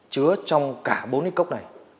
chứa trong cả bốn cái cốc này